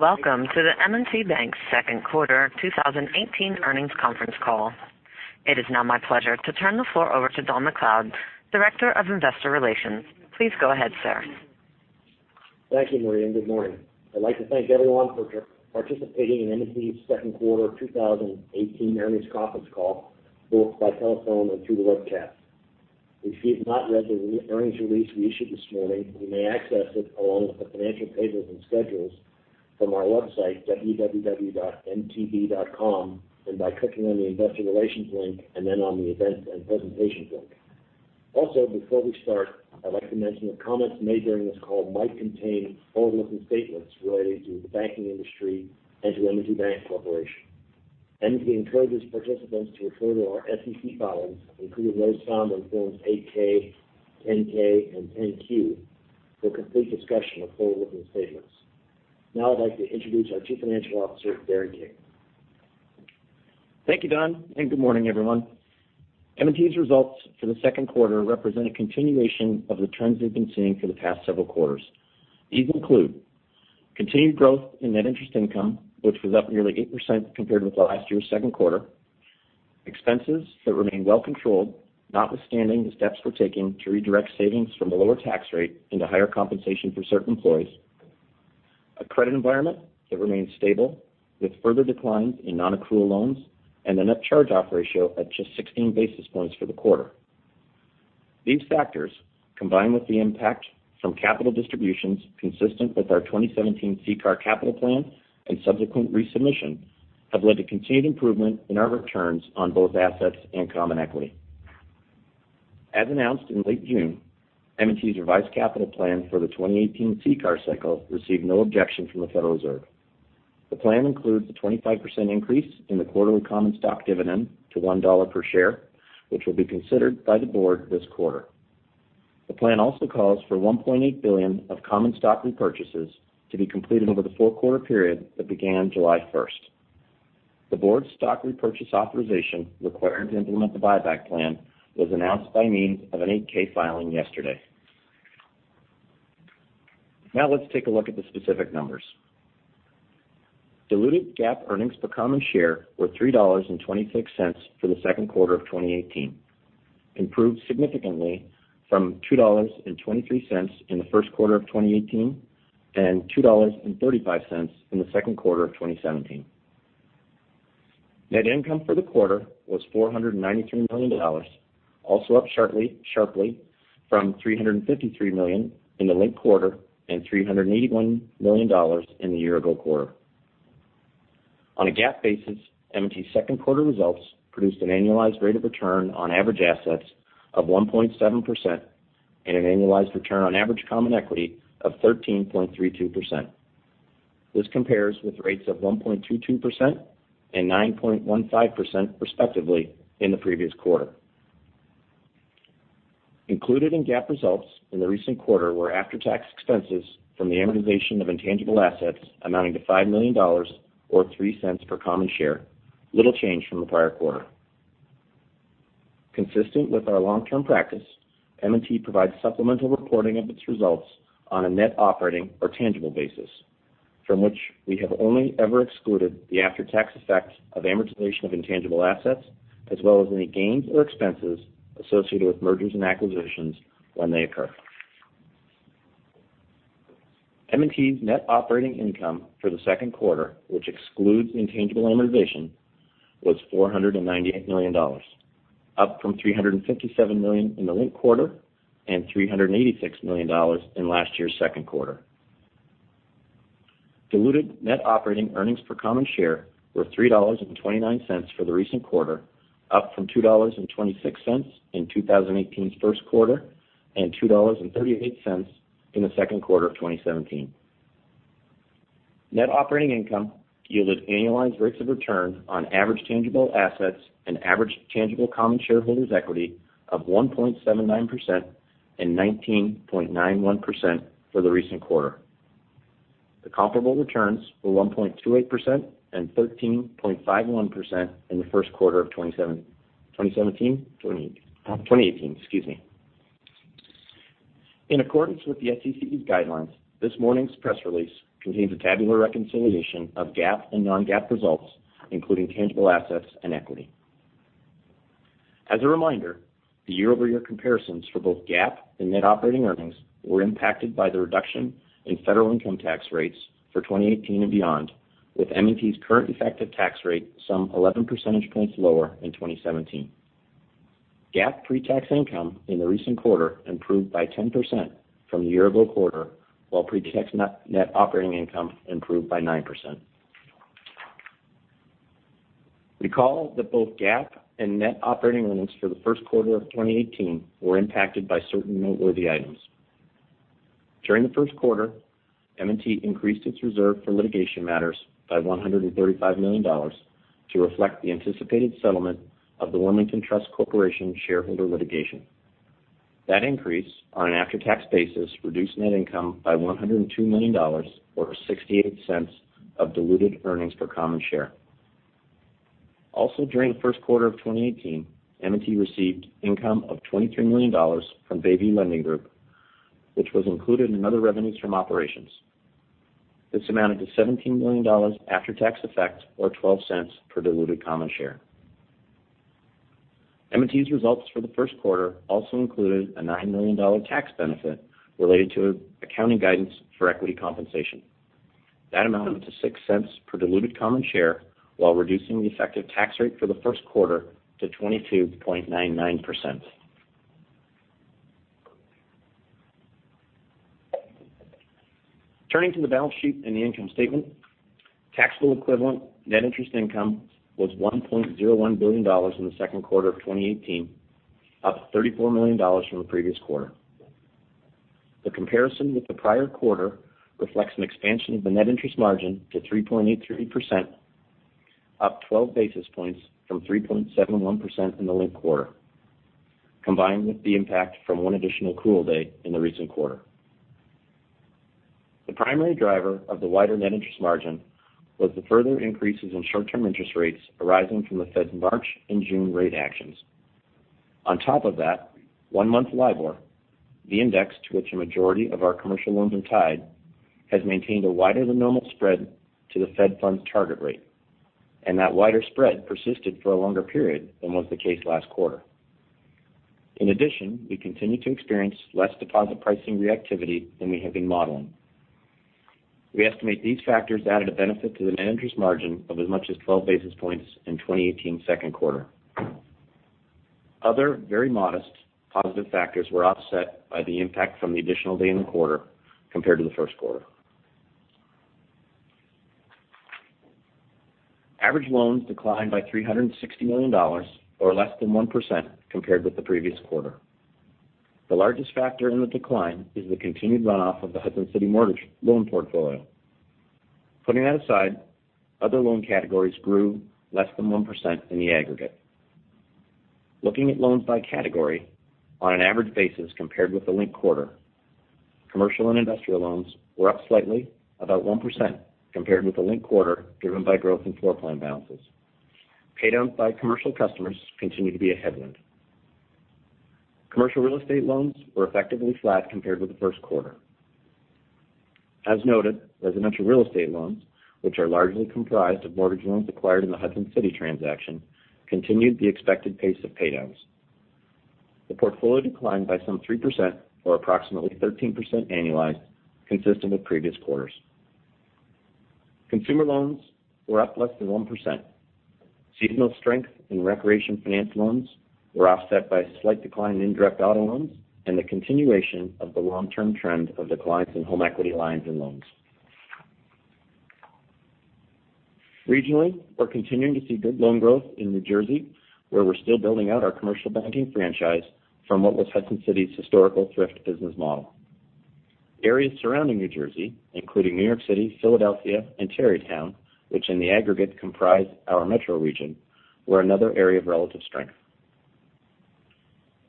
Welcome to the M&T Bank second quarter 2018 earnings conference call. It is now my pleasure to turn the floor over to Donald MacLeod, Director of Investor Relations. Please go ahead, sir. Thank you, Maria. Good morning. I'd like to thank everyone for participating in M&T's second quarter 2018 earnings conference call, both by telephone and through the webcast. If you have not read the earnings release we issued this morning, you may access it along with the financial tables and schedules from our website, www.mtb.com, by clicking on the investor relations link, then on the events and presentations link. Also, before we start, I'd like to mention that comments made during this call might contain forward-looking statements relating to the banking industry and to M&T Bank Corporation. M&T encourages participants to refer to our SEC filings, including those found in Forms 8-K, 10-K and 10-Q, for a complete discussion of forward-looking statements. I'd like to introduce our Chief Financial Officer, Darren King. Thank you, Don. Good morning, everyone. M&T's results for the second quarter represent a continuation of the trends we've been seeing for the past several quarters. These include continued growth in net interest income, which was up nearly 8% compared with last year's second quarter, expenses that remain well controlled, notwithstanding the steps we're taking to redirect savings from the lower tax rate into higher compensation for certain employees. A credit environment that remains stable, with further declines in non-accrual loans and a net charge-off ratio at just 16 basis points for the quarter. These factors, combined with the impact from capital distributions consistent with our 2017 CCAR Capital Plan and subsequent resubmission, have led to continued improvement in our returns on both assets and common equity. As announced in late June, M&T's revised capital plan for the 2018 CCAR cycle received no objection from the Federal Reserve. The plan includes a 25% increase in the quarterly common stock dividend to $1 per share, which will be considered by the board this quarter. The plan also calls for $1.8 billion of common stock repurchases to be completed over the four-quarter period that began July 1st. The board's stock repurchase authorization required to implement the buyback plan was announced by means of an 8-K filing yesterday. Let's take a look at the specific numbers. Diluted GAAP earnings per common share were $3.26 for the second quarter of 2018, improved significantly from $2.23 in the first quarter of 2018 and $2.35 in the second quarter of 2017. Net income for the quarter was $493 million, also up sharply from $353 million in the linked quarter and $381 million in the year-ago quarter. On a GAAP basis, M&T's second quarter results produced an annualized rate of return on average assets of 1.7% and an annualized return on average common equity of 13.32%. This compares with rates of 1.22% and 9.15%, respectively, in the previous quarter. Included in GAAP results in the recent quarter were after-tax expenses from the amortization of intangible assets amounting to $5 million or $0.03 per common share, little change from the prior quarter. Consistent with our long-term practice, M&T provides supplemental reporting of its results on a net operating or tangible basis, from which we have only ever excluded the after-tax effect of amortization of intangible assets, as well as any gains or expenses associated with mergers and acquisitions when they occur. M&T's net operating income for the second quarter, which excludes intangible amortization, was $498 million, up from $357 million in the linked quarter and $386 million in last year's second quarter. Diluted net operating earnings per common share were $3.29 for the recent quarter, up from $2.26 in 2018's first quarter and $2.38 in the second quarter of 2017. Net operating income yielded annualized rates of return on average tangible assets and average tangible common shareholders' equity of 1.79% and 19.91% for the recent quarter. The comparable returns were 1.28% and 13.51% in the first quarter of 2018. In accordance with the SEC's guidelines, this morning's press release contains a tabular reconciliation of GAAP and non-GAAP results, including tangible assets and equity. As a reminder, the year-over-year comparisons for both GAAP and net operating earnings were impacted by the reduction in federal income tax rates for 2018 and beyond, with M&T's current effective tax rate some 11 percentage points lower in 2017. GAAP pre-tax income in the recent quarter improved by 10% from the year-ago quarter, while pre-tax net operating income improved by 9%. Recall that both GAAP and net operating earnings for the first quarter of 2018 were impacted by certain noteworthy items. During the first quarter, M&T increased its reserve for litigation matters by $135 million to reflect the anticipated settlement of the Wilmington Trust Corporation shareholder litigation. That increase, on an after-tax basis, reduced net income by $102 million, or $0.68 of diluted earnings per common share. Also during the first quarter of 2018, M&T received income of $23 million from Bayview Lending Group, which was included in other revenues from operations. This amounted to $17 million after-tax effect, or $0.12 per diluted common share. M&T's results for the first quarter also included a $9 million tax benefit related to accounting guidance for equity compensation. That amounted to $0.06 per diluted common share while reducing the effective tax rate for the first quarter to 22.99%. Turning to the balance sheet and the income statement, taxable equivalent net interest income was $1.01 billion in the second quarter of 2018, up $34 million from the previous quarter. The comparison with the prior quarter reflects an expansion of the net interest margin to 3.83%, up 12 basis points from 3.71% in the linked quarter, combined with the impact from one additional accrual day in the recent quarter. The primary driver of the wider net interest margin was the further increases in short-term interest rates arising from the Fed's March and June rate actions. One-month LIBOR, the index to which a majority of our commercial loans are tied, has maintained a wider-than-normal spread to the Fed funds target rate, and that wider spread persisted for a longer period than was the case last quarter. In addition, we continue to experience less deposit pricing reactivity than we have been modeling. We estimate these factors added a benefit to the net interest margin of as much as 12 basis points in 2018 second quarter. Other very modest positive factors were offset by the impact from the additional day in the quarter compared to the first quarter. Average loans declined by $360 million, or less than 1%, compared with the previous quarter. The largest factor in the decline is the continued runoff of the Hudson City mortgage loan portfolio. Putting that aside, other loan categories grew less than 1% in the aggregate. Looking at loans by category on an average basis compared with the linked quarter, commercial and industrial loans were up slightly, about 1%, compared with the linked quarter, driven by growth in floor plan balances. Pay-downs by commercial customers continue to be a headwind. Commercial real estate loans were effectively flat compared with the first quarter. As noted, residential real estate loans, which are largely comprised of mortgage loans acquired in the Hudson City transaction, continued the expected pace of pay-downs. The portfolio declined by some 3%, or approximately 13% annualized, consistent with previous quarters. Consumer loans were up less than 1%. Seasonal strength in recreation finance loans were offset by a slight decline in indirect auto loans and the continuation of the long-term trend of declines in home equity lines and loans. Regionally, we're continuing to see good loan growth in New Jersey, where we're still building out our commercial banking franchise from what was Hudson City's historical thrift business model. Areas surrounding New Jersey, including New York City, Philadelphia, and Tarrytown, which in the aggregate comprise our metro region, were another area of relative strength.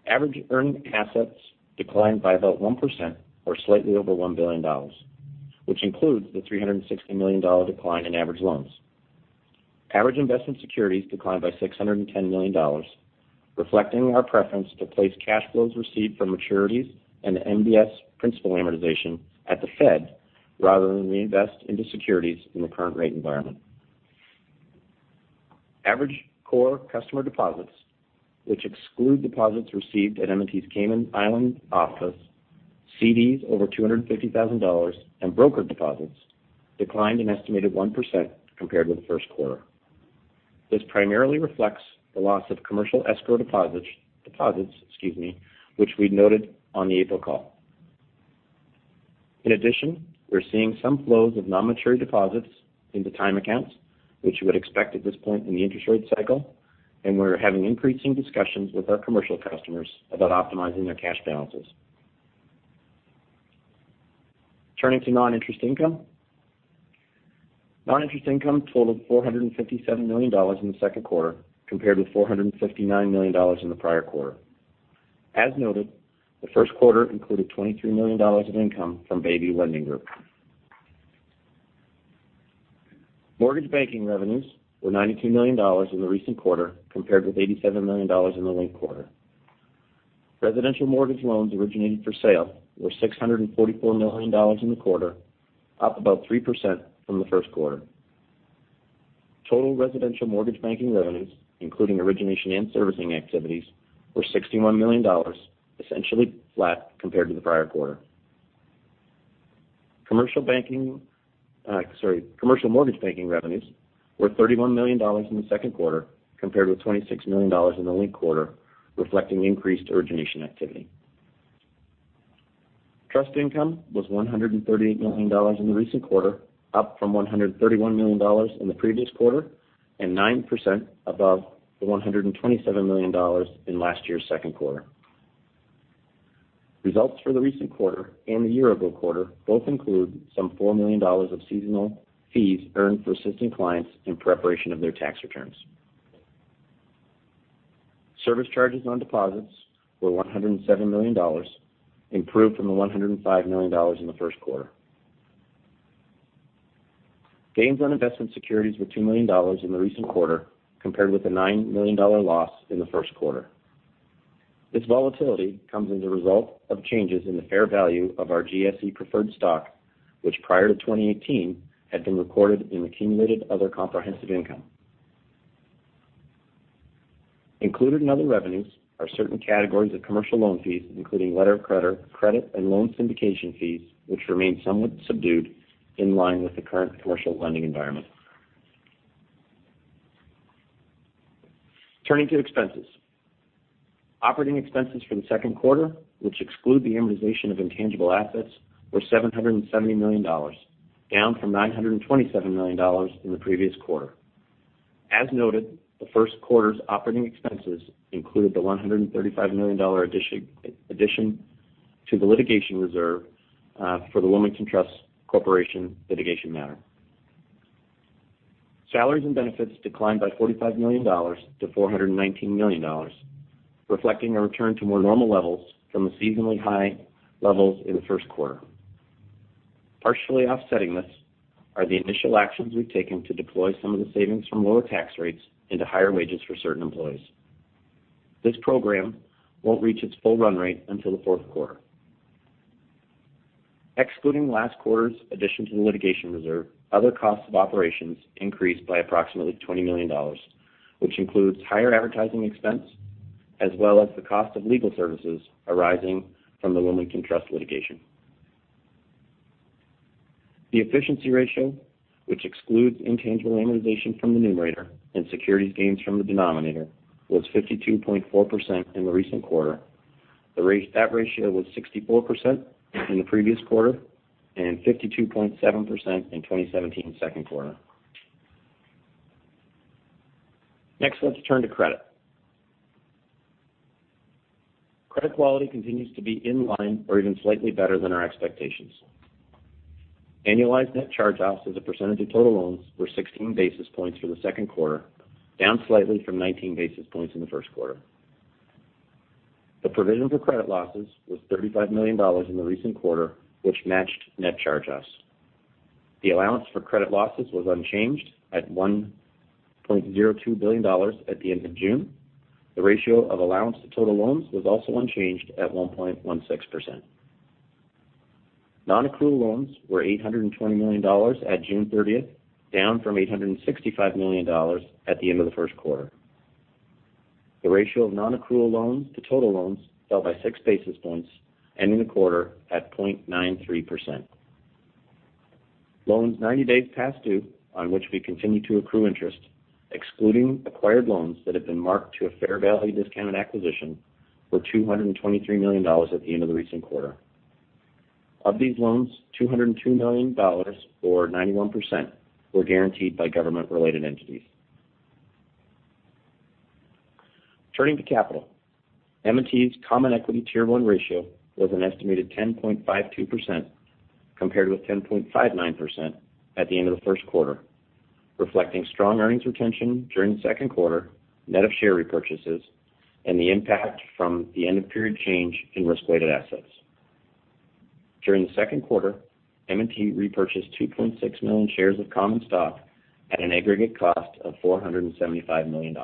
Average earning assets declined by about 1%, or slightly over $1 billion, which includes the $360 million decline in average loans. Average investment securities declined by $610 million, reflecting our preference to place cash flows received from maturities and MBS principal amortization at the Fed rather than reinvest into securities in the current rate environment. Average core customer deposits, which exclude deposits received at M&T's Cayman Islands office, CDs over $250,000, and broker deposits, declined an estimated 1% compared with the first quarter. This primarily reflects the loss of commercial escrow deposits which we noted on the April call. In addition, we're seeing some flows of non-mature deposits into time accounts, which you would expect at this point in the interest rate cycle, and we're having increasing discussions with our commercial customers about optimizing their cash balances. Turning to non-interest income. Non-interest income totaled $457 million in the second quarter compared with $459 million in the prior quarter. As noted, the first quarter included $23 million of income from Bayview Lending Group. Mortgage banking revenues were $92 million in the recent quarter compared with $87 million in the linked quarter. Residential mortgage loans originated for sale were $644 million in the quarter, up about 3% from the first quarter. Total residential mortgage banking revenues, including origination and servicing activities, were $61 million, essentially flat compared to the prior quarter. Commercial mortgage banking revenues were $31 million in the second quarter compared with $26 million in the linked quarter, reflecting increased origination activity. Trust income was $138 million in the recent quarter, up from $131 million in the previous quarter and 9% above the $127 million in last year's second quarter. Results for the recent quarter and the year-ago quarter both include some $4 million of seasonal fees earned for assisting clients in preparation of their tax returns. Service charges on deposits were $107 million, improved from the $105 million in the first quarter. Gains on investment securities were $2 million in the recent quarter, compared with a $9 million loss in the first quarter. This volatility comes as a result of changes in the fair value of our GSE preferred stock, which prior to 2018 had been recorded in accumulated other comprehensive income. Included in other revenues are certain categories of commercial loan fees, including letter of credit, and loan syndication fees, which remain somewhat subdued in line with the current commercial lending environment. Turning to expenses. Operating expenses for the second quarter, which exclude the amortization of intangible assets, were $770 million, down from $927 million in the previous quarter. As noted, the first quarter's operating expenses included the $135 million addition to the litigation reserve for the Wilmington Trust Corporation litigation matter. Salaries and benefits declined by $45 million to $419 million, reflecting a return to more normal levels from the seasonally high levels in the first quarter. Partially offsetting this are the initial actions we've taken to deploy some of the savings from lower tax rates into higher wages for certain employees. This program won't reach its full run rate until the fourth quarter. Excluding last quarter's addition to the litigation reserve, other costs of operations increased by approximately $20 million, which includes higher advertising expense as well as the cost of legal services arising from the Wilmington Trust litigation. The efficiency ratio, which excludes intangible amortization from the numerator and securities gains from the denominator, was 52.4% in the recent quarter. That ratio was 64% in the previous quarter and 52.7% in 2017 second quarter. Next, let's turn to credit. Credit quality continues to be in line or even slightly better than our expectations. Annualized net charge-offs as a percentage of total loans were 16 basis points for the second quarter, down slightly from 19 basis points in the first quarter. The provision for credit losses was $35 million in the recent quarter, which matched net charge-offs. The allowance for credit losses was unchanged at $1.02 billion at the end of June. The ratio of allowance to total loans was also unchanged at 1.16%. Non-accrual loans were $820 million at June 30th, down from $865 million at the end of the first quarter. The ratio of non-accrual loans to total loans fell by six basis points, ending the quarter at 0.93%. Loans 90 days past due, on which we continue to accrue interest, excluding acquired loans that have been marked to a fair value discount on acquisition, were $223 million at the end of the recent quarter. Of these loans, $202 million, or 91%, were guaranteed by government-related entities. Turning to capital. M&T's common equity Tier 1 ratio was an estimated 10.52%, compared with 10.59% at the end of the first quarter, reflecting strong earnings retention during the second quarter, net of share repurchases, and the impact from the end-of-period change in risk-weighted assets. During the second quarter, M&T repurchased 2.6 million shares of common stock at an aggregate cost of $475 million.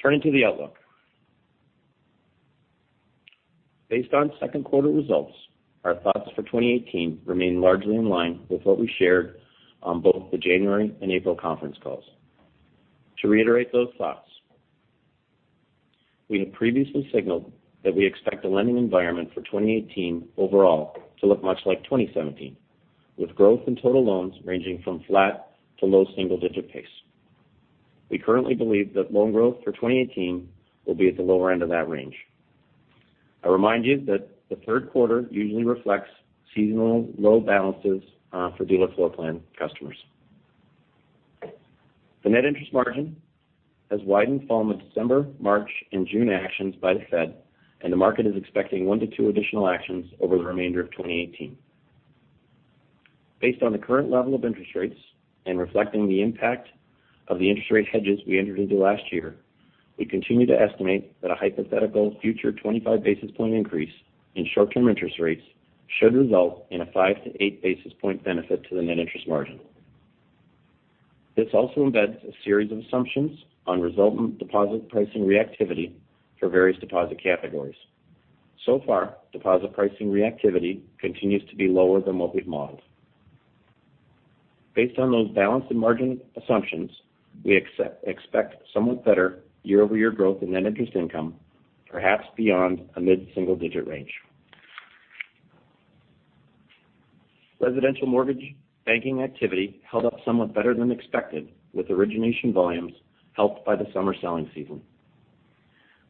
Turning to the outlook. Based on second quarter results, our thoughts for 2018 remain largely in line with what we shared on both the January and April conference calls. To reiterate those thoughts, we have previously signaled that we expect the lending environment for 2018 overall to look much like 2017, with growth in total loans ranging from flat to low single-digit pace. We currently believe that loan growth for 2018 will be at the lower end of that range. I remind you that the third quarter usually reflects seasonal low balances for dealer floor plan customers. The net interest margin has widened following the December, March, and June actions by the Fed, and the market is expecting one to two additional actions over the remainder of 2018. Based on the current level of interest rates and reflecting the impact of the interest rate hedges we entered into last year, we continue to estimate that a hypothetical future 25-basis-point increase in short-term interest rates should result in a five to eight basis point benefit to the net interest margin. This also embeds a series of assumptions on resultant deposit pricing reactivity for various deposit categories. So far, deposit pricing reactivity continues to be lower than what we've modeled. Based on those balance and margin assumptions, we expect somewhat better year-over-year growth in net interest income, perhaps beyond a mid-single-digit range. Residential mortgage banking activity held up somewhat better than expected, with origination volumes helped by the summer selling season.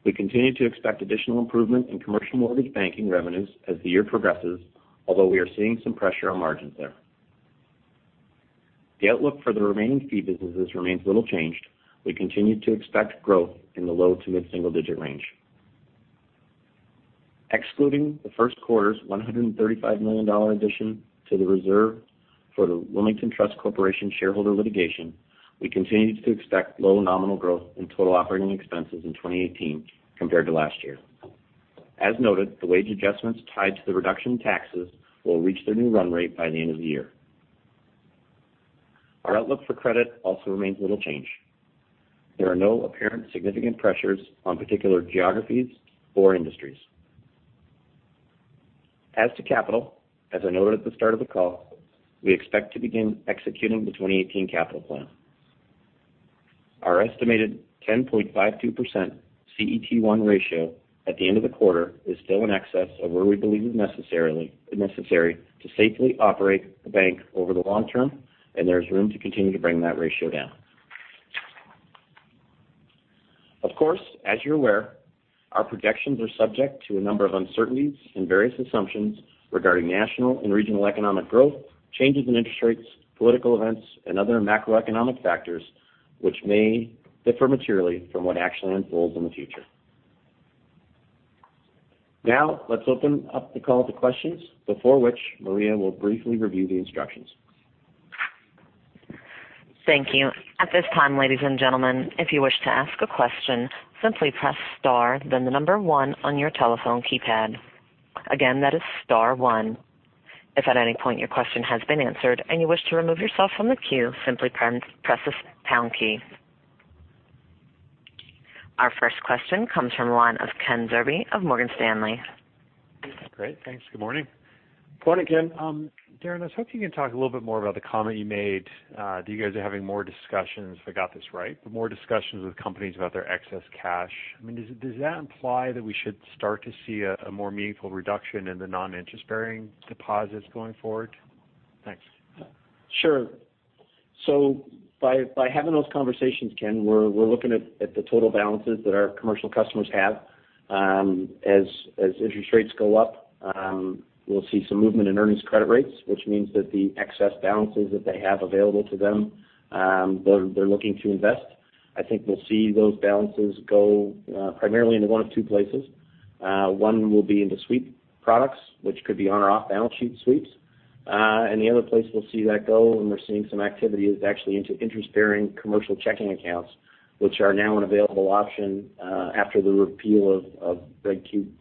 We continue to expect additional improvement in commercial mortgage banking revenues as the year progresses, although we are seeing some pressure on margins there. The outlook for the remaining fee businesses remains little changed. We continue to expect growth in the low to mid-single digit range. Excluding the first quarter's $135 million addition to the reserve for the Wilmington Trust Corporation shareholder litigation, we continue to expect low nominal growth in total operating expenses in 2018 compared to last year. As noted, the wage adjustments tied to the reduction in taxes will reach their new run rate by the end of the year. Our outlook for credit also remains little change. There are no apparent significant pressures on particular geographies or industries. As to capital, as I noted at the start of the call, we expect to begin executing the 2018 capital plan. Our estimated 10.52% CET1 ratio at the end of the quarter is still in excess of where we believe is necessary to safely operate the bank over the long term, and there is room to continue to bring that ratio down. Of course, as you're aware, our projections are subject to a number of uncertainties and various assumptions regarding national and regional economic growth, changes in interest rates, political events, and other macroeconomic factors, which may differ materially from what actually unfolds in the future. Now, let's open up the call to questions, before which Maria will briefly review the instructions. Thank you. At this time, ladies and gentlemen, if you wish to ask a question, simply press star then the number one on your telephone keypad. Again, that is star one. If at any point your question has been answered and you wish to remove yourself from the queue, simply press the pound key. Our first question comes from the line of Ken Zerbe of Morgan Stanley. Great. Thanks. Good morning. Good morning, Ken. Darren, I was hoping you could talk a little bit more about the comment you made. You guys are having more discussions, if I got this right, more discussions with companies about their excess cash. Does that imply that we should start to see a more meaningful reduction in the non-interest-bearing deposits going forward? Thanks. Sure. By having those conversations, Ken, we're looking at the total balances that our commercial customers have. As interest rates go up, we'll see some movement in earnings credit rate, which means that the excess balances that they have available to them they're looking to invest. I think we'll see those balances go primarily into one of two places. One will be into sweep products, which could be on or off balance sheet sweeps. The other place we'll see that go, and we're seeing some activity, is actually into interest-bearing commercial checking accounts, which are now an available option after the repeal of Regulation Q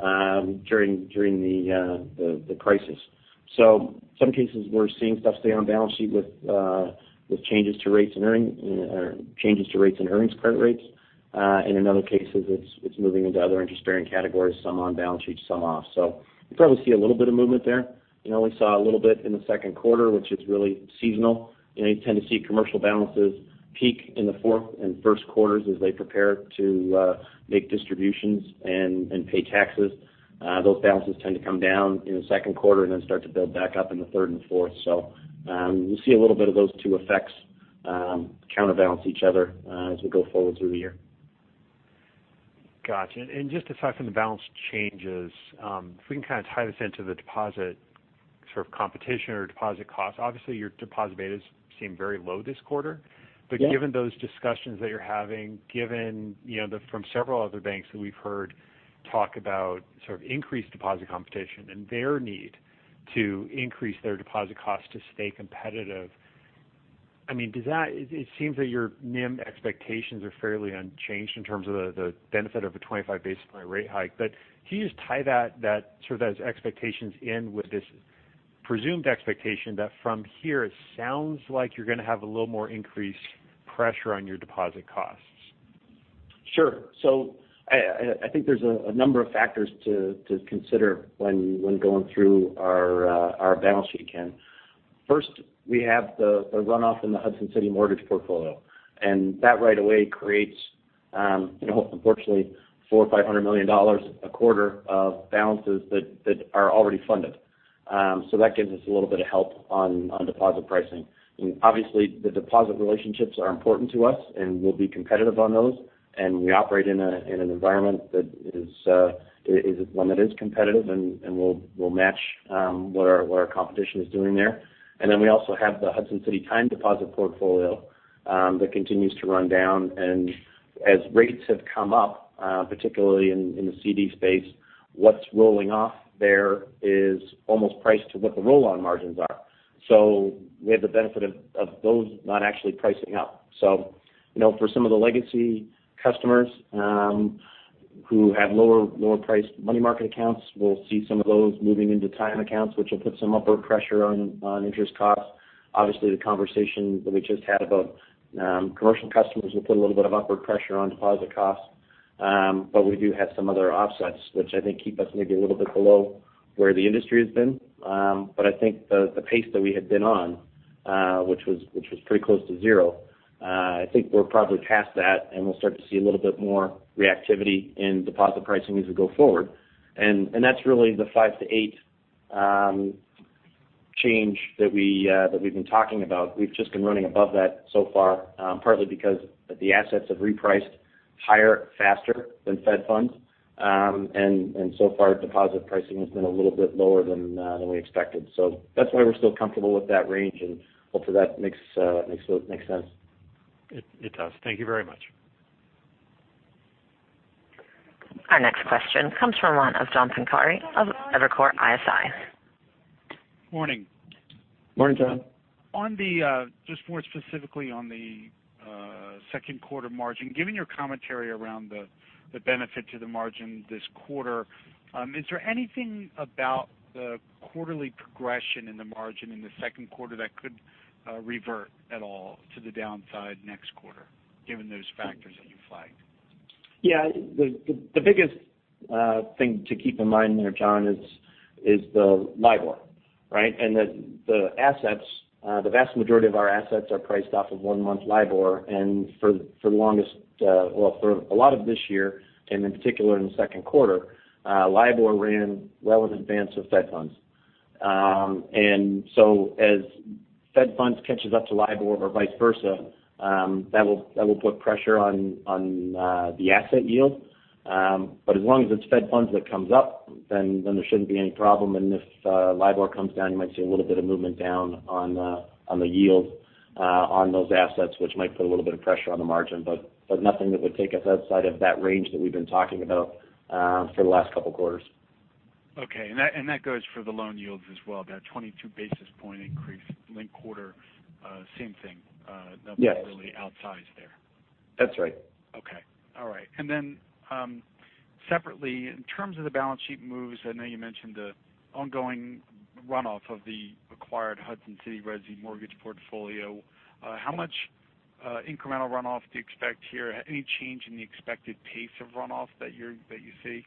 during the crisis. Some cases we're seeing stuff stay on balance sheet with changes to rates and earnings credit rate. In other cases, it's moving into other interest-bearing categories, some on balance sheet, some off. You probably see a little bit of movement there. We saw a little bit in the second quarter, which is really seasonal. You tend to see commercial balances peak in the fourth and first quarters as they prepare to make distributions and pay taxes. Those balances tend to come down in the second quarter and then start to build back up in the third and fourth. You'll see a little bit of those two effects counterbalance each other as we go forward through the year. Got you. Just to talk on the balance changes, if we can tie this into the deposit competition or deposit costs. Obviously, your deposit betas seem very low this quarter. Yes. Given those discussions that you're having, given from several other banks that we've heard talk about increased deposit competition and their need to increase their deposit costs to stay competitive. It seems that your NIM expectations are fairly unchanged in terms of the benefit of a 25 basis point rate hike. Can you just tie those expectations in with this presumed expectation that from here it sounds like you're going to have a little more increased pressure on your deposit costs? Sure. I think there's a number of factors to consider when going through our balance sheet, Ken. First, we have the runoff in the Hudson City mortgage portfolio, that right away creates unfortunately, $400 million or $500 million a quarter of balances that are already funded. That gives us a little bit of help on deposit pricing. Obviously, the deposit relationships are important to us, and we'll be competitive on those. We operate in an environment that is one that is competitive, and we'll match what our competition is doing there. Then we also have the Hudson City time deposit portfolio that continues to run down. As rates have come up particularly in the CD space, what's rolling off there is almost priced to what the roll-on margins are. We have the benefit of those not actually pricing up. For some of the legacy customers who have lower-priced money market accounts, we'll see some of those moving into time accounts, which will put some upward pressure on interest costs. Obviously, the conversation that we just had about commercial customers will put a little bit of upward pressure on deposit costs. We do have some other offsets, which I think keep us maybe a little bit below where the industry has been. I think the pace that we had been on which was pretty close to zero. I think we're probably past that, and we'll start to see a little bit more reactivity in deposit pricing as we go forward. That's really the five to eight change that we've been talking about. We've just been running above that so far partly because the assets have repriced higher faster than Fed funds. So far deposit pricing has been a little bit lower than we expected. That's why we're still comfortable with that range, and hopefully that makes sense. It does. Thank you very much. Our next question comes from the line of John Pancari of Evercore ISI. Morning. Morning, John. Just more specifically on the second quarter margin, given your commentary around the benefit to the margin this quarter, is there anything about the quarterly progression in the margin in the second quarter that could revert at all to the downside next quarter, given those factors that you flagged? Yeah. The biggest thing to keep in mind there, John, is the LIBOR, right? The vast majority of our assets are priced off of one-month LIBOR and for a lot of this year, and in particular in the second quarter, LIBOR ran well in advance of Fed funds. As Fed funds catches up to LIBOR or vice versa, that will put pressure on the asset yield. As long as it's Fed funds that comes up, there shouldn't be any problem. If LIBOR comes down, you might see a little bit of movement down on the yield on those assets, which might put a little bit of pressure on the margin. Nothing that would take us outside of that range that we've been talking about for the last couple of quarters. Okay. That goes for the loan yields as well, that 22 basis point increase linked quarter, same thing. Yes Nothing really outsized there. That's right. Okay. All right. Separately, in terms of the balance sheet moves, I know you mentioned the ongoing runoff of the acquired Hudson City Resi mortgage portfolio. How much incremental runoff do you expect here? Any change in the expected pace of runoff that you see?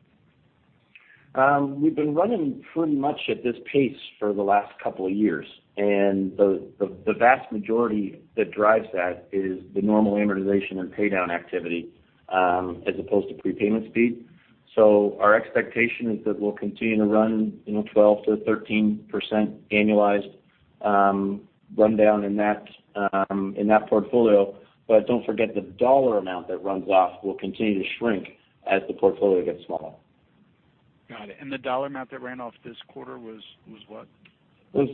We've been running pretty much at this pace for the last couple of years, the vast majority that drives that is the normal amortization and paydown activity, as opposed to prepayment speed. Our expectation is that we'll continue to run 12%-13% annualized rundown in that portfolio. Don't forget, the dollar amount that runs off will continue to shrink as the portfolio gets smaller. Got it. The dollar amount that ran off this quarter was what? It was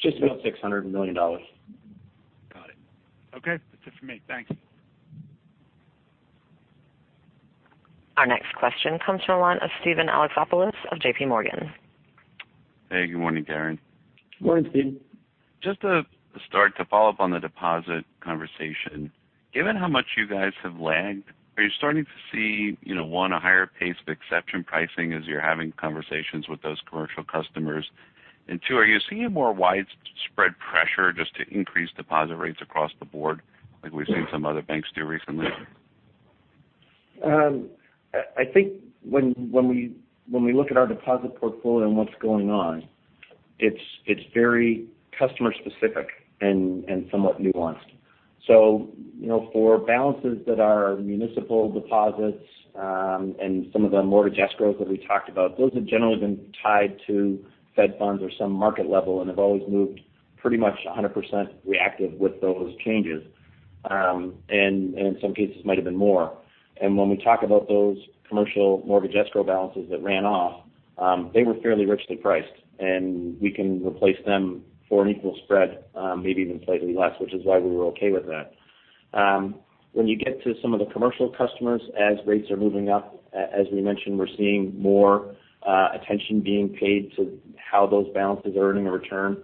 just about $600 million. Got it. Okay. That's it for me. Thanks. Our next question comes from the line of Steven Alexopoulos of J.P. Morgan. Hey, good morning, Darren. Morning, Steve. Just to start to follow up on the deposit conversation. Given how much you guys have lagged, are you starting to see, one, a higher pace of exception pricing as you're having conversations with those commercial customers? Two, are you seeing more widespread pressure just to increase deposit rates across the board like we've seen some other banks do recently? I think when we look at our deposit portfolio and what's going on, it's very customer specific and somewhat nuanced. For balances that are municipal deposits and some of the mortgage escrows that we talked about, those have generally been tied to Fed funds or some market level and have always moved pretty much 100% reactive with those changes. In some cases might have been more. When we talk about those commercial mortgage escrow balances that ran off, they were fairly richly priced, and we can replace them for an equal spread, maybe even slightly less, which is why we were okay with that. When you get to some of the commercial customers as rates are moving up, as we mentioned, we're seeing more attention being paid to how those balances are earning a return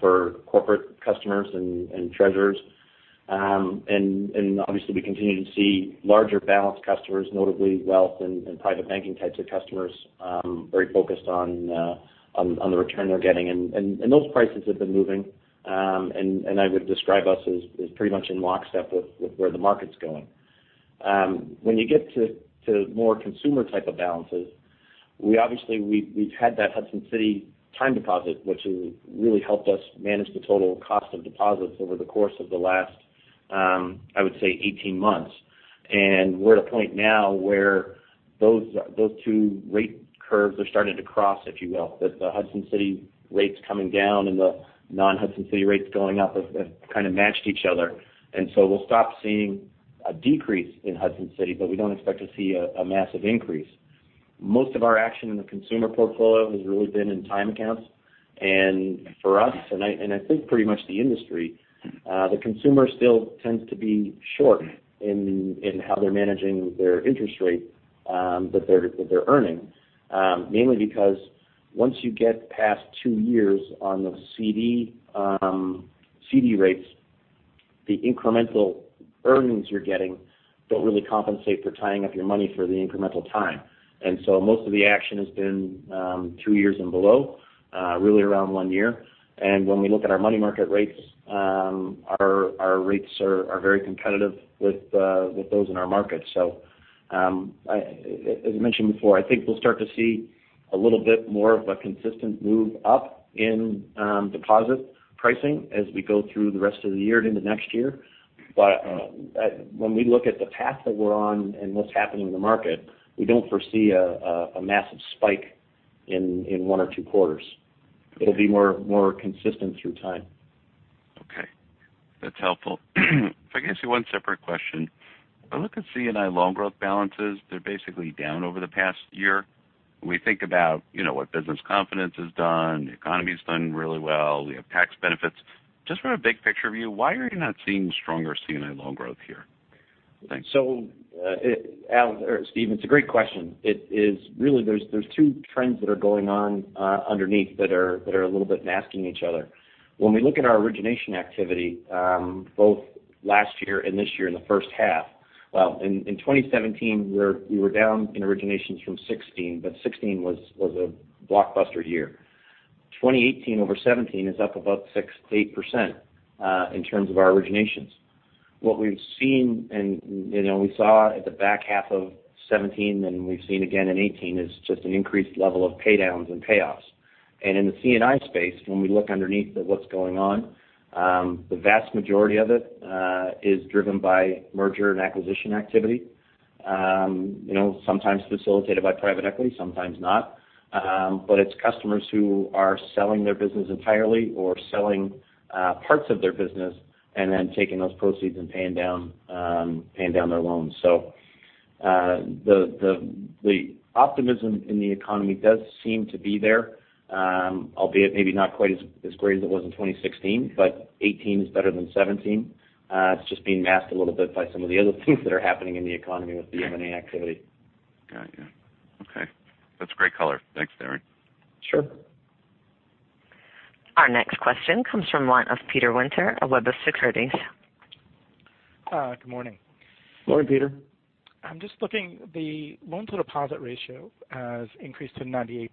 for corporate customers and treasurers. Obviously, we continue to see larger balance customers, notably wealth and private banking types of customers, very focused on the return they're getting. Those prices have been moving. I would describe us as pretty much in lockstep with where the market's going. When you get to more consumer type of balances, we obviously we've had that Hudson City time deposit, which has really helped us manage the total cost of deposits over the course of the last, I would say 18 months. We're at a point now where those two rate curves are starting to cross, if you will. That the Hudson City rates coming down and the non-Hudson City rates going up have kind of matched each other. So we'll stop seeing a decrease in Hudson City, but we don't expect to see a massive increase. Most of our action in the consumer portfolio has really been in time accounts. For us, and I think pretty much the industry, the consumer still tends to be short in how they're managing their interest rate that they're earning. Mainly because once you get past two years on the CD rates, the incremental earnings you're getting don't really compensate for tying up your money for the incremental time. So most of the action has been two years and below, really around one year. When we look at our money market rates, our rates are very competitive with those in our market. As I mentioned before, I think we'll start to see a little bit more of a consistent move up in deposit pricing as we go through the rest of the year and into next year. When we look at the path that we're on and what's happening in the market, we don't foresee a massive spike in one or two quarters. It'll be more consistent through time. Okay. That's helpful. If I can ask you one separate question. I look at C&I loan growth balances, they're basically down over the past year. We think about what business confidence has done. The economy's done really well. We have tax benefits. Just from a big picture view, why are you not seeing stronger C&I loan growth here? Thanks. Steve, it's a great question. Really, there's two trends that are going on underneath that are a little bit masking each other. When we look at our origination activity, both last year and this year in the first half. In 2017, we were down in originations from 2016, but 2016 was a blockbuster year. 2018 over 2017 is up about 6%-8% in terms of our originations. What we've seen, and we saw at the back half of 2017, and we've seen again in 2018, is just an increased level of pay downs and payoffs. In the C&I space, when we look underneath at what's going on, the vast majority of it is driven by merger and acquisition activity. Sometimes facilitated by private equity, sometimes not. It's customers who are selling their business entirely or selling parts of their business and then taking those proceeds and paying down their loans. The optimism in the economy does seem to be there, albeit maybe not quite as great as it was in 2016, but 2018 is better than 2017. It's just being masked a little bit by some of the other things that are happening in the economy with the M&A activity. Got you. Okay. That's great color. Thanks, Darren. Sure. Our next question comes from the line of Peter Winter of Wedbush Securities. Good morning. Morning, Peter. I'm just looking, the loan to deposit ratio has increased to 98%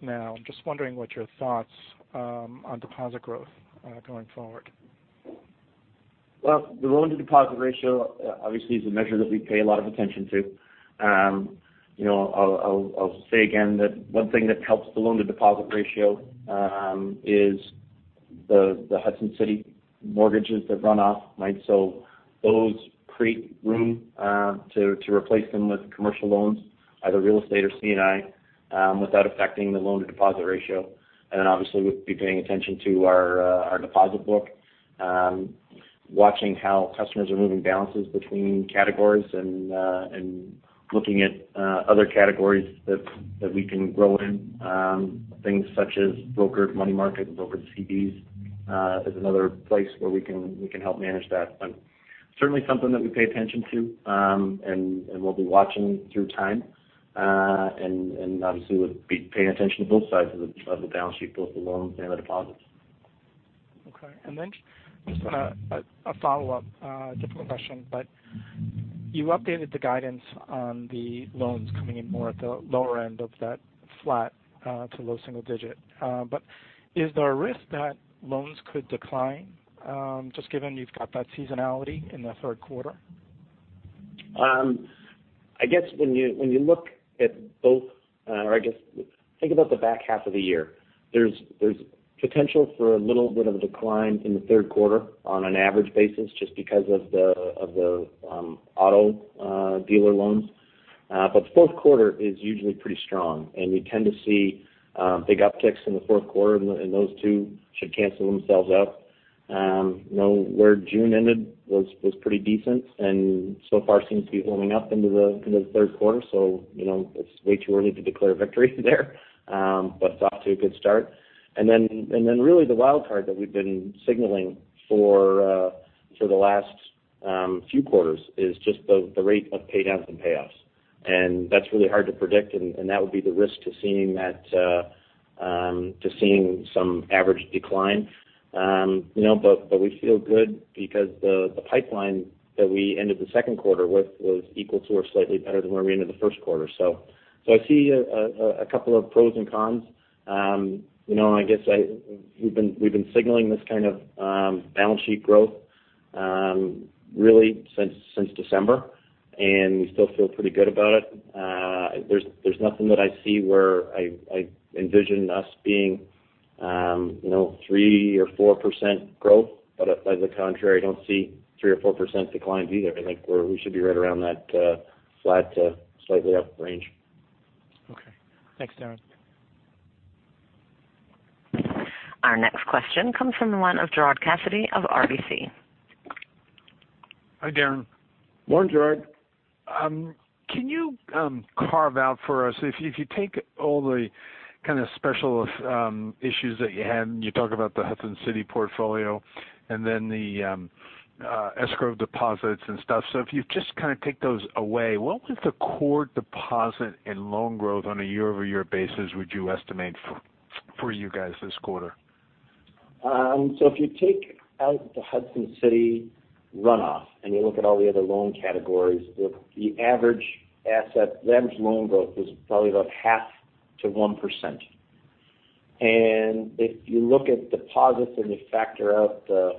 now. I'm just wondering what your thoughts are on deposit growth going forward. The loan to deposit ratio obviously is a measure that we pay a lot of attention to. I'll say again that one thing that helps the loan to deposit ratio is the Hudson City mortgages that run off. Those create room to replace them with commercial loans, either real estate or C&I, without affecting the loan to deposit ratio. Obviously, we'll be paying attention to our deposit book, watching how customers are moving balances between categories and looking at other categories that we can grow in. Things such as brokered money market and brokered CDs is another place where we can help manage that. Certainly something that we pay attention to, and we'll be watching through time. Obviously we'll be paying attention to both sides of the balance sheet, both the loans and the deposits. Okay. Just a follow-up, different question, you updated the guidance on the loans coming in more at the lower end of that flat to low single digit. Is there a risk that loans could decline, just given you've got that seasonality in the third quarter? I guess when you look at think about the back half of the year, there's potential for a little bit of a decline in the third quarter on an average basis just because of the auto dealer loans. The fourth quarter is usually pretty strong, and we tend to see big upticks in the fourth quarter, and those two should cancel themselves out. Where June ended was pretty decent and so far seems to be holding up into the third quarter. It's way too early to declare victory there, but it's off to a good start. Really the wildcard that we've been signaling for the last few quarters is just the rate of pay downs and payoffs. That's really hard to predict, and that would be the risk to seeing some average decline. We feel good because the pipeline that we ended the second quarter with was equal to or slightly better than where we ended the first quarter. I see a couple of pros and cons. I guess we've been signaling this kind of balance sheet growth really since December, and we still feel pretty good about it. There's nothing that I see where I envision us being 3% or 4% growth, but by the contrary, I don't see 3% or 4% declines either. I think we should be right around that flat to slightly up range. Okay. Thanks, Darren. Our next question comes from the line of Gerard Cassidy of RBC. Hi, Darren. Morning, Gerard. Can you carve out for us if you take all the kind of special issues that you had, and you talk about the Hudson City portfolio, and then the escrow deposits and stuff. If you just kind of take those away, what was the core deposit and loan growth on a year-over-year basis would you estimate for you guys this quarter? If you take out the Hudson City runoff and you look at all the other loan categories, the average loan growth was probably about 0.5%-1%. If you look at deposits and you factor out the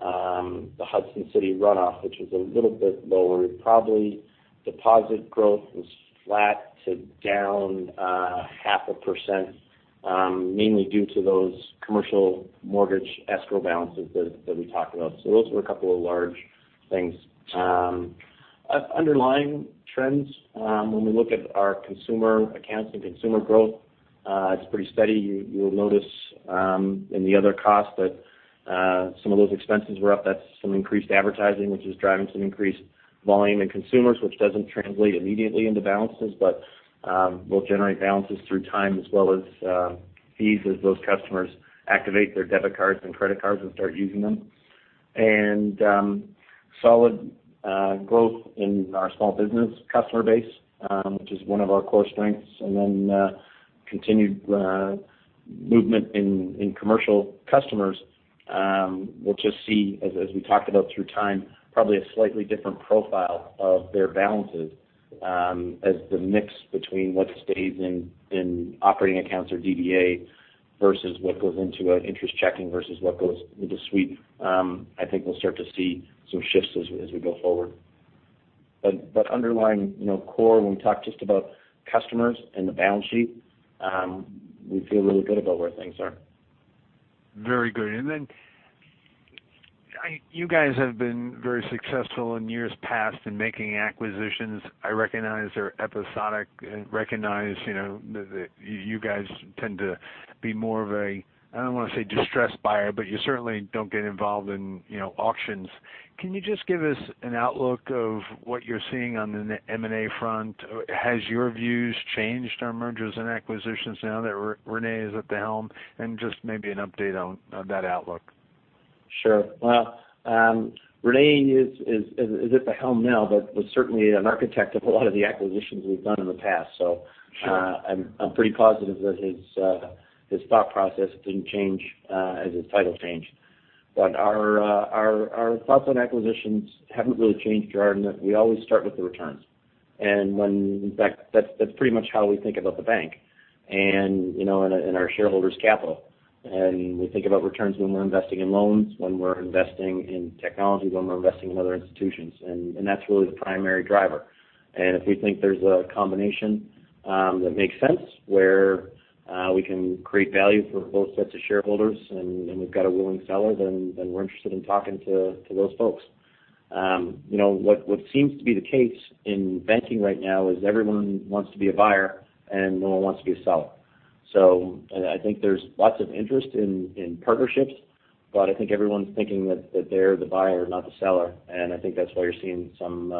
Hudson City runoff, which was a little bit lower, probably deposit growth was flat to down 0.5%, mainly due to those commercial mortgage escrow balances that we talked about. Those were a couple of large things. Underlying trends, when we look at our consumer accounts and consumer growth It's pretty steady. You'll notice in the other costs that some of those expenses were up. That's some increased advertising, which is driving some increased volume in consumers, which doesn't translate immediately into balances, but will generate balances through time as well as fees as those customers activate their debit cards and credit cards and start using them. Solid growth in our small business customer base, which is one of our core strengths, and then continued movement in commercial customers. We'll just see, as we talked about through time, probably a slightly different profile of their balances as the mix between what stays in operating accounts or DDA versus what goes into an interest checking versus what goes into sweep. I think we'll start to see some shifts as we go forward. Underlying core, when we talk just about customers and the balance sheet, we feel really good about where things are. Very good. You guys have been very successful in years past in making acquisitions. I recognize they're episodic and recognize that you guys tend to be more of a, I don't want to say distressed buyer, but you certainly don't get involved in auctions. Can you just give us an outlook of what you're seeing on the M&A front? Has your views changed on mergers and acquisitions now that René is at the helm, and just maybe an update on that outlook? Sure. René is at the helm now, was certainly an architect of a lot of the acquisitions we've done in the past. Sure. I'm pretty positive that his thought process didn't change as his title changed. Our thoughts on acquisitions haven't really changed, Gerard, in that we always start with the returns. In fact, that's pretty much how we think about the bank and our shareholders' capital. We think about returns when we're investing in loans, when we're investing in technology, when we're investing in other institutions, that's really the primary driver. If we think there's a combination that makes sense, where we can create value for both sets of shareholders and we've got a willing seller, then we're interested in talking to those folks. What seems to be the case in banking right now is everyone wants to be a buyer and no one wants to be a seller. I think there's lots of interest in partnerships, I think everyone's thinking that they're the buyer, not the seller. I think that's why you're seeing some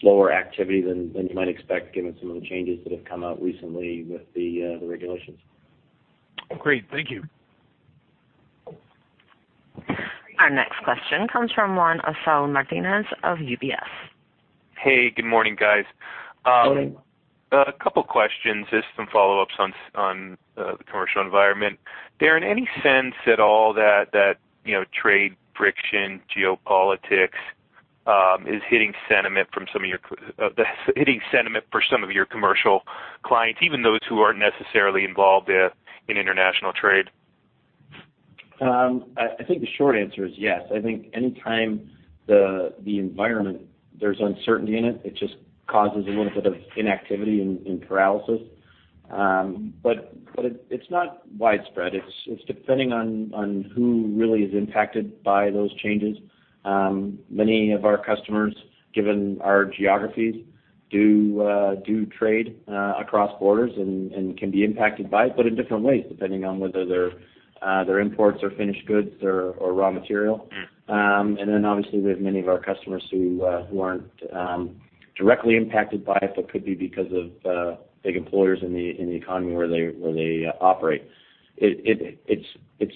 slower activity than you might expect given some of the changes that have come out recently with the regulations. Great. Thank you. Our next question comes from Saul Martinez of UBS. Hey, good morning, guys. Morning. A couple of questions, just some follow-ups on the commercial environment. Darren, any sense at all that trade friction, geopolitics is hitting sentiment for some of your commercial clients, even those who aren't necessarily involved in international trade? I think the short answer is yes. I think any time the environment, there's uncertainty in it just causes a little bit of inactivity and paralysis. It's not widespread. It's depending on who really is impacted by those changes. Many of our customers, given our geographies, do trade across borders and can be impacted by it, but in different ways, depending on whether they're imports or finished goods or raw material. Obviously, we have many of our customers who aren't directly impacted by it, but could be because of big employers in the economy where they operate. It's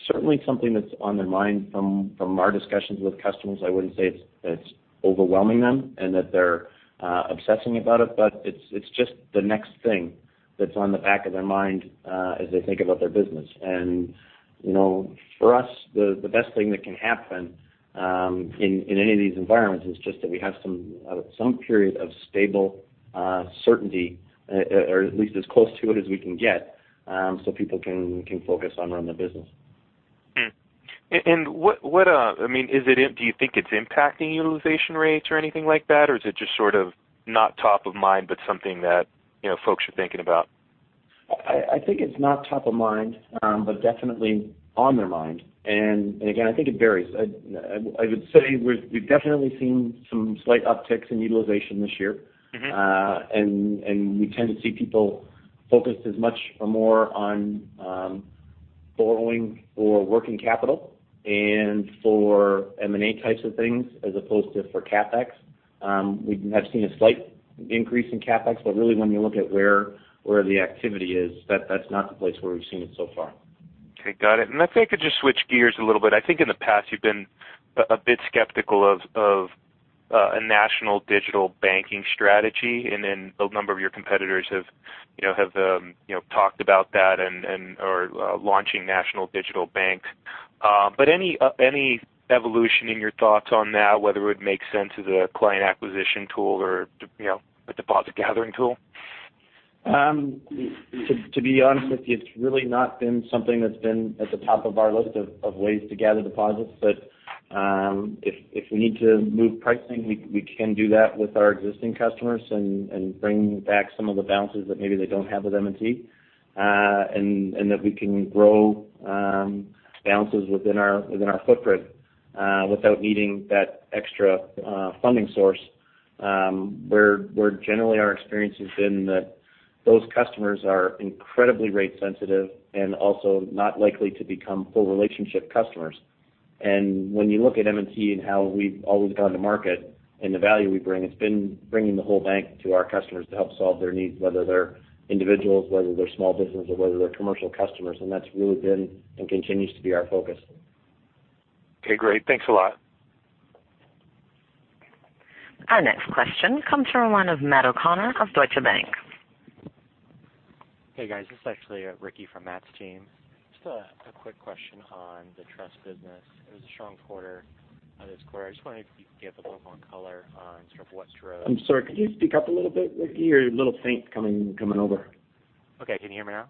certainly something that's on their mind from our discussions with customers. I wouldn't say it's overwhelming them and that they're obsessing about it, but it's just the next thing that's on the back of their mind as they think about their business. For us, the best thing that can happen in any of these environments is just that we have some period of stable certainty, or at least as close to it as we can get, so people can focus on running the business. Do you think it's impacting utilization rates or anything like that, or is it just sort of not top of mind, but something that folks are thinking about? I think it's not top of mind, but definitely on their mind. Again, I think it varies. I would say we've definitely seen some slight upticks in utilization this year. We tend to see people focused as much or more on borrowing for working capital and for M&A types of things as opposed to for CapEx. We have seen a slight increase in CapEx, really when you look at where the activity is, that's not the place where we've seen it so far. Okay, got it. If I could just switch gears a little bit. I think in the past you've been a bit skeptical of a national digital banking strategy, and a number of your competitors have talked about that and are launching national digital banks. Any evolution in your thoughts on that, whether it would make sense as a client acquisition tool or a deposit gathering tool? To be honest with you, it's really not been something that's been at the top of our list of ways to gather deposits. If we need to move pricing, we can do that with our existing customers and bring back some of the balances that maybe they don't have with M&T, and that we can grow balances within our footprint without needing that extra funding source. Where generally our experience has been that those customers are incredibly rate sensitive and also not likely to become full relationship customers. When you look at M&T and how we've always gone to market and the value we bring, it's been bringing the whole bank to our customers to help solve their needs, whether they're individuals, whether they're small business, or whether they're commercial customers, and that's really been and continues to be our focus. Okay, great. Thanks a lot. Our next question comes from one of Matt O'Connor of Deutsche Bank. Hey, guys. This is actually Ricky from Matt's team. Just a quick question on the trust business. It was a strong quarter this quarter. I just wondered if you could give a little more color on sort of what's. I'm sorry, could you speak up a little bit, Ricky? You're a little faint coming over. Okay. Can you hear me now?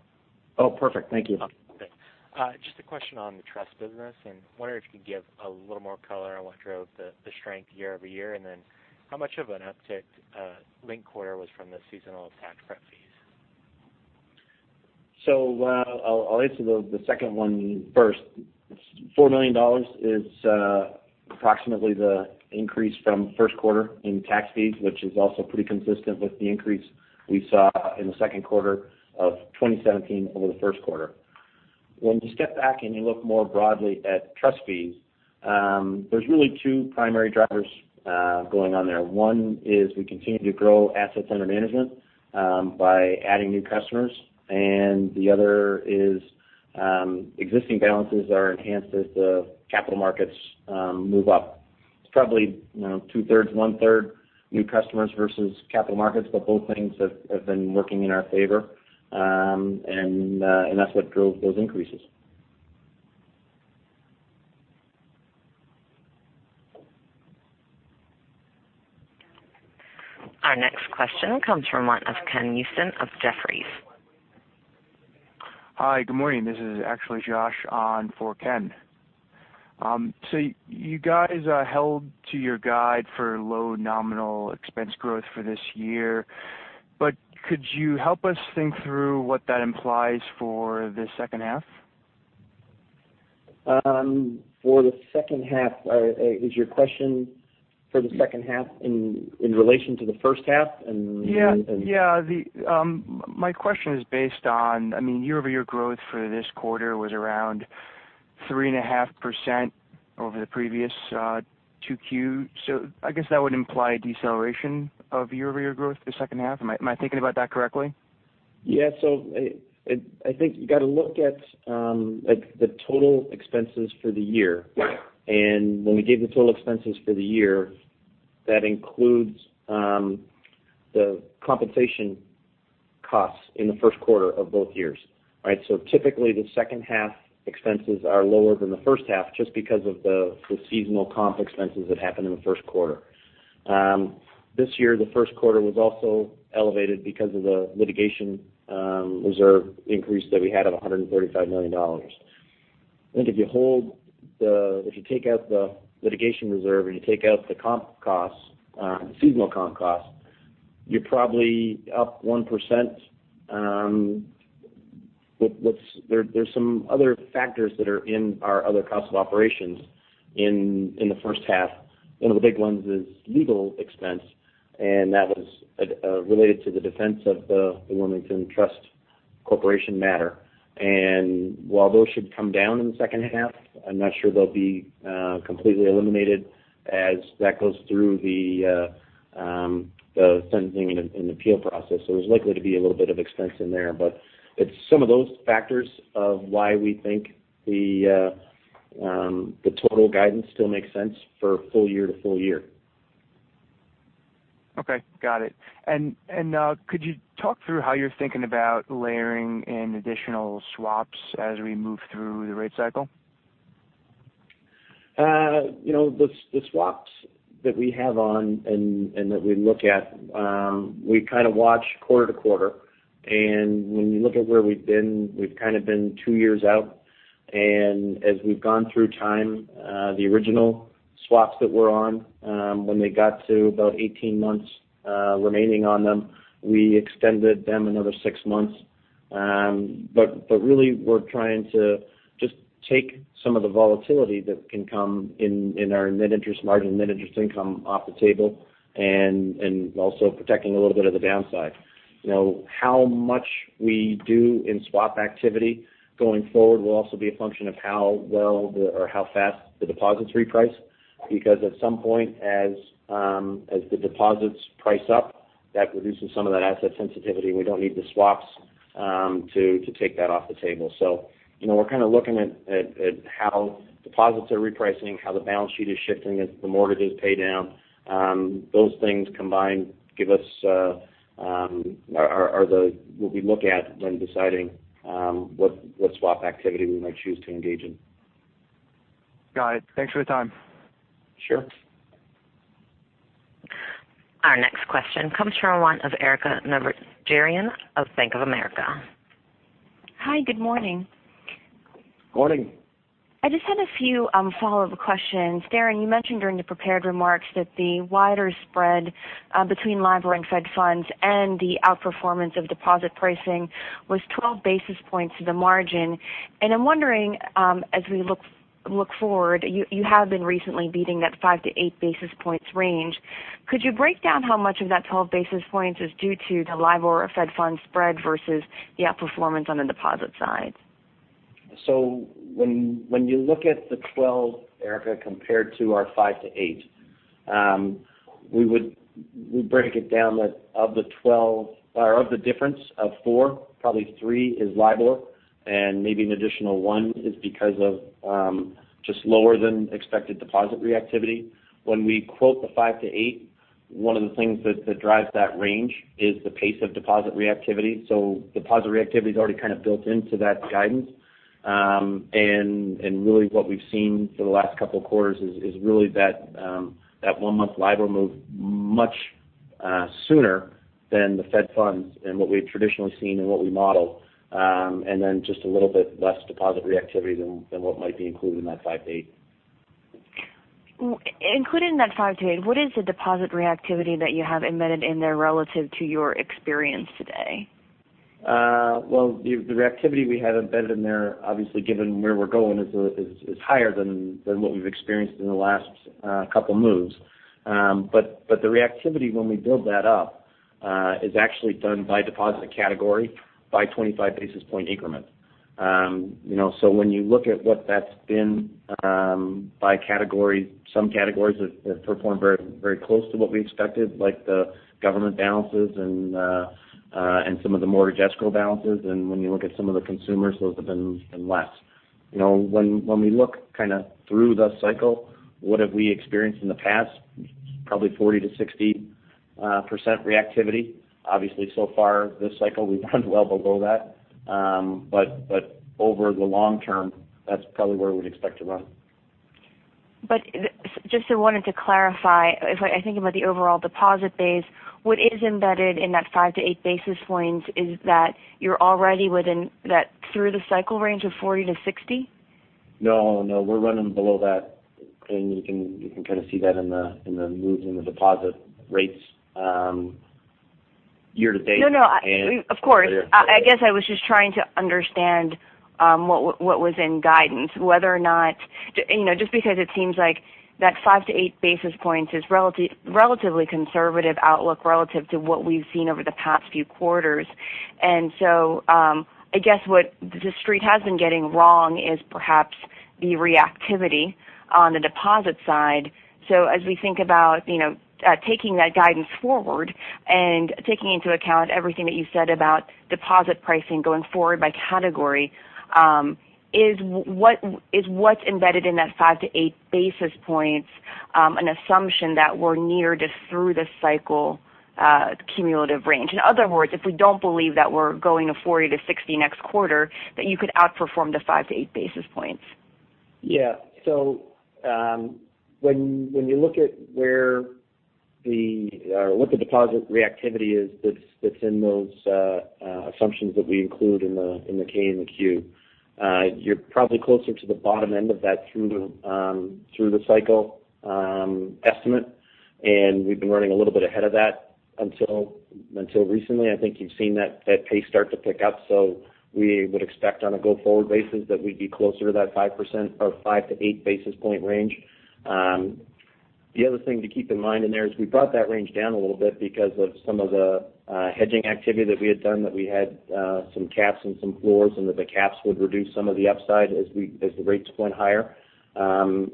Oh, perfect. Thank you. Okay, thanks. Just a question on the trust business, and wondering if you could give a little more color on what drove the strength year-over-year, how much of an uptick linked-quarter was from the seasonal tax prep fees? I'll answer the second one first. $4 million is approximately the increase from first quarter in tax fees, which is also pretty consistent with the increase we saw in the second quarter of 2017 over the first quarter. When you step back and you look more broadly at trust fees, there's really two primary drivers going on there. One is we continue to grow assets under management by adding new customers, and the other is existing balances are enhanced as the capital markets move up. It's probably two-thirds, one-third new customers versus capital markets, but both things have been working in our favor. That's what drove those increases. Our next question comes from one of Ken Usdin of Jefferies. Hi, good morning. This is actually Josh on for Ken. You guys held to your guide for low nominal expense growth for this year, but could you help us think through what that implies for the second half? For the second half, is your question for the second half in relation to the first half? Yeah. My question is based on, year-over-year growth for this quarter was around 3.5% over the previous 2Q. I guess that would imply deceleration of year-over-year growth the second half. Am I thinking about that correctly? Yeah. I think you got to look at the total expenses for the year. When we gave the total expenses for the year, that includes the compensation costs in the first quarter of both years. Right? Typically, the second half expenses are lower than the first half just because of the seasonal comp expenses that happened in the first quarter. This year, the first quarter was also elevated because of the litigation reserve increase that we had of $135 million. I think if you take out the litigation reserve and you take out the comp costs, the seasonal comp costs, you're probably up 1%. There's some other factors that are in our other cost of operations in the first half. One of the big ones is legal expense, and that was related to the defense of the Wilmington Trust Corporation matter. While those should come down in the second half, I'm not sure they'll be completely eliminated as that goes through the sentencing and appeal process. There's likely to be a little bit of expense in there, but it's some of those factors of why we think the total guidance still makes sense for full year to full year. Okay. Got it. Could you talk through how you're thinking about layering in additional swaps as we move through the rate cycle? The swaps that we have on and that we look at, we kind of watch quarter to quarter. When you look at where we've been, we've kind of been two years out. As we've gone through time, the original swaps that were on, when they got to about 18 months remaining on them, we extended them another six months. Really we're trying to just take some of the volatility that can come in our net interest margin, net interest income off the table and also protecting a little bit of the downside. How much we do in swap activity going forward will also be a function of how well the, or how fast the deposits reprice. At some point as the deposits price up, that reduces some of that asset sensitivity. We don't need the swaps to take that off the table. We're kind of looking at how deposits are repricing, how the balance sheet is shifting as the mortgages pay down. Those things combined are what we look at when deciding what swap activity we might choose to engage in. Got it. Thanks for the time. Sure. Our next question comes from one of Erika Najarian of Bank of America. Hi, good morning. Good morning. I just had a few follow-up questions. Darren, you mentioned during the prepared remarks that the wider spread between LIBOR and Fed funds and the outperformance of deposit pricing was 12 basis points to the margin. I'm wondering, as we look forward, you have been recently beating that five to eight basis points range. Could you break down how much of that 12 basis points is due to the LIBOR or Fed funds spread versus the outperformance on the deposit side? When you look at the 12, Erika, compared to our five to eight, we break it down that of the difference of four, probably three is LIBOR, and maybe an additional one is because of just lower than expected deposit reactivity. When we quote the five to eight, one of the things that drives that range is the pace of deposit reactivity. Deposit reactivity is already kind of built into that guidance. Really what we've seen for the last couple of quarters is really that one-month LIBOR moved much sooner than the Fed funds and what we've traditionally seen and what we model. Then just a little bit less deposit reactivity than what might be included in that five to eight. Included in that five to eight, what is the deposit reactivity that you have embedded in there relative to your experience today? Well, the reactivity we have embedded in there, obviously, given where we're going, is higher than what we've experienced in the last couple moves. The reactivity when we build that up is actually done by deposit category by 25 basis point increments. When you look at what that's been by category, some categories have performed very close to what we expected, like the government balances and some of the mortgage escrow balances. When you look at some of the consumers, those have been less. When we look kind of through the cycle, what have we experienced in the past? Probably 40%-60% reactivity. Obviously, so far this cycle, we've run well below that. Over the long term, that's probably where we'd expect to run. Just wanted to clarify, if I think about the overall deposit base, what is embedded in that five to eight basis points is that you're already within that through the cycle range of 40-60? We're running below that, and you can kind of see that in the move in the deposit rates year-to-date. Of course. I guess I was just trying to understand what was in guidance, just because it seems like that five to eight basis points is relatively conservative outlook relative to what we've seen over the past few quarters. I guess what the Street has been getting wrong is perhaps the reactivity on the deposit side. As we think about taking that guidance forward and taking into account everything that you said about deposit pricing going forward by category, is what's embedded in that five to eight basis points an assumption that we're near just through the cycle cumulative range? In other words, if we don't believe that we're going a 40-60 next quarter, that you could outperform the five to eight basis points. When you look at what the deposit reactivity is that's in those assumptions that we include in the K and the Q, you're probably closer to the bottom end of that through the cycle estimate. We've been running a little bit ahead of that until recently. I think you've seen that pace start to pick up. We would expect on a go-forward basis that we'd be closer to that 5% or five to eight basis point range. The other thing to keep in mind in there is we brought that range down a little bit because of some of the hedging activity that we had done, that we had some caps and some floors, and that the caps would reduce some of the upside as the rates went higher. Then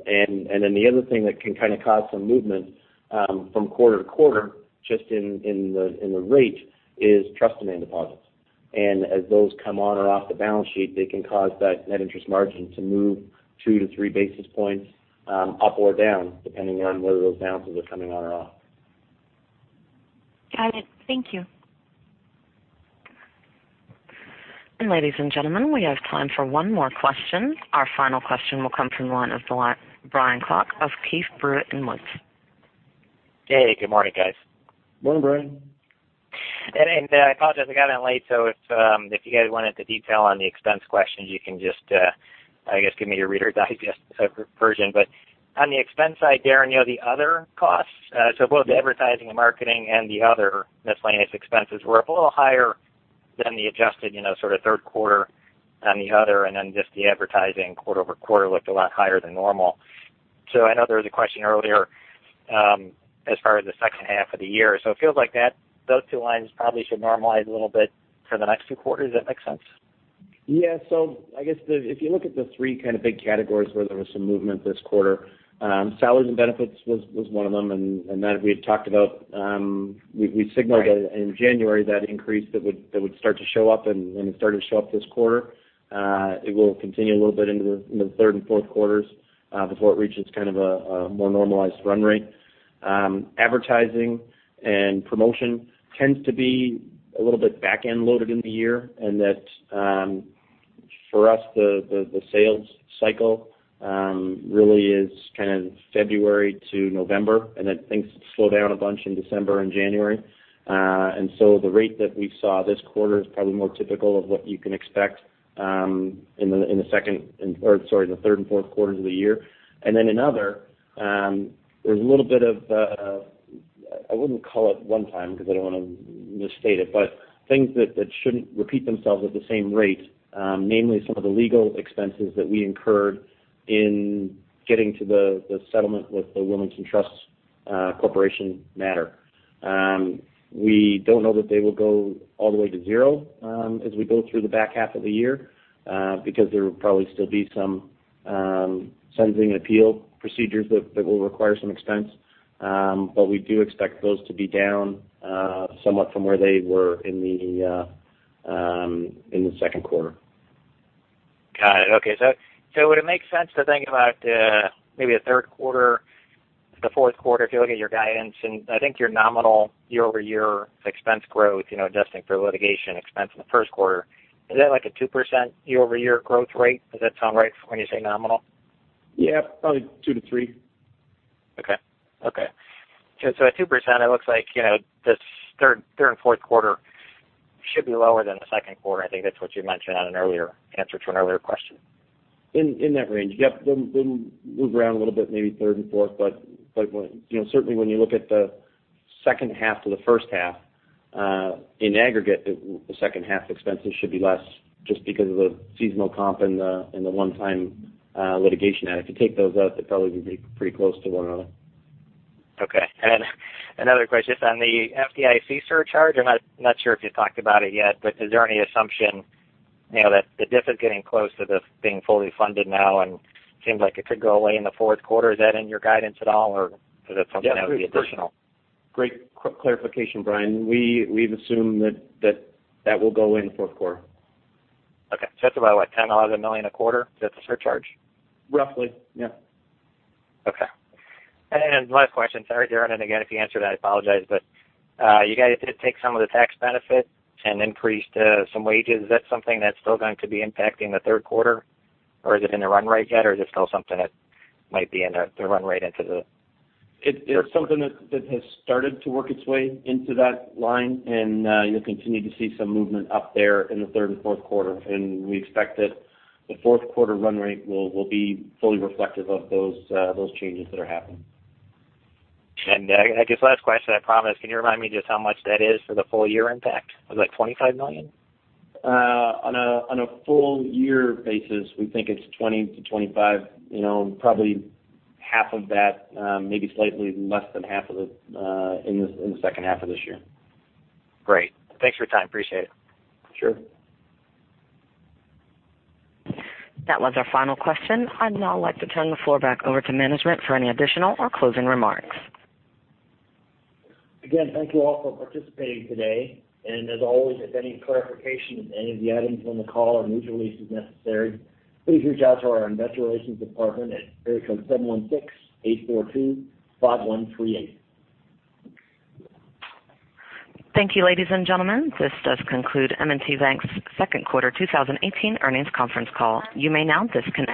the other thing that can kind of cause some movement from quarter-to-quarter, just in the rate, is trust demand deposits. As those come on or off the balance sheet, they can cause that net interest margin to move two to three basis points up or down, depending on whether those balances are coming on or off. Got it. Thank you. Ladies and gentlemen, we have time for one more question. Our final question will come from the line of Brian Klock of Keefe, Bruyette & Woods. Hey, good morning, guys. Morning, Brian. I apologize I got on late, if you guys wanted to detail on the expense questions, you can just, I guess, give me a Reader's Digest version. On the expense side, Darren, the other costs, both the advertising and marketing and the other miscellaneous expenses were up a little higher than the adjusted sort of third quarter on the other, then just the advertising quarter-over-quarter looked a lot higher than normal. I know there was a question earlier as far as the second half of the year. It feels like those two lines probably should normalize a little bit for the next two quarters. Does that make sense? Yeah. I guess if you look at the three kind of big categories where there was some movement this quarter, salaries and benefits was one of them. That we had talked about-- we signaled that in January, that increase that would start to show up, and it started to show up this quarter. It will continue a little bit into the third and fourth quarters before it reaches kind of a more normalized run rate. Advertising and promotion tends to be a little bit back-end loaded in the year, that for us, the sales Cycle really is kind of February to November, then things slow down a bunch in December and January. The rate that we saw this quarter is probably more typical of what you can expect in the third and fourth quarters of the year. Another, there's a little bit of, I wouldn't call it one time, because I don't want to misstate it, but things that shouldn't repeat themselves at the same rate, namely some of the legal expenses that we incurred in getting to the settlement with the Wilmington Trust Corporation matter. We don't know that they will go all the way to zero as we go through the back half of the year because there will probably still be some sentencing appeal procedures that will require some expense. We do expect those to be down somewhat from where they were in the second quarter. Got it. Okay. Would it make sense to think about maybe the third quarter, the fourth quarter, if you look at your guidance, and I think your nominal year-over-year expense growth, adjusting for litigation expense in the first quarter, is that like a 2% year-over-year growth rate? Does that sound right when you say nominal? Yeah, probably 2%-3%. Okay. At 2%, it looks like this third and fourth quarter should be lower than the second quarter. I think that's what you mentioned on an earlier answer to an earlier question. In that range. Yep. They'll move around a little bit maybe third and fourth, but certainly when you look at the second half to the first half, in aggregate, the second half expenses should be less just because of the seasonal comp and the one-time litigation. If you take those out, they probably would be pretty close to one another. Okay. Another question on the FDIC surcharge. I'm not sure if you talked about it yet, Is there any assumption that the DIF is getting close to this being fully funded now and seems like it could go away in the fourth quarter? Is that in your guidance at all, or is that something that would be additional? Great clarification, Brian. We've assumed that that will go in fourth quarter. Okay. That's about what, $10 million a quarter, is that the surcharge? Roughly, yeah. Last question. Sorry, Darren, if you answered, I apologize, but you guys did take some of the tax benefit and increased some wages. Is that something that's still going to be impacting the third quarter, or is it in the run rate yet, or is this still something that might be in the run rate into the- It's something that has started to work its way into that line, you'll continue to see some movement up there in the third and fourth quarter. We expect that the fourth quarter run rate will be fully reflective of those changes that are happening. I guess last question, I promise. Can you remind me just how much that is for the full year impact? Was it like $25 million? On a full year basis, we think it's $20 million-$25 million, probably half of that, maybe slightly less than half of it in the second half of this year. Great. Thanks for your time. Appreciate it. Sure. That was our final question. I'd now like to turn the floor back over to management for any additional or closing remarks. Again, thank you all for participating today. As always, if any clarification of any of the items on the call or news release is necessary, please reach out to our investor relations department at area code 716-842-5138. Thank you, ladies and gentlemen. This does conclude M&T Bank's second quarter 2018 earnings conference call. You may now disconnect.